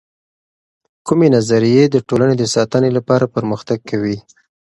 کومې نظریې د ټولنې د ساتنې لپاره پر مختګ کوي؟